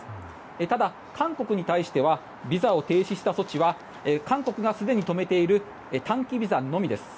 ただ、韓国に対してはビザを停止した措置は韓国がすでに止めている短期ビザのみです。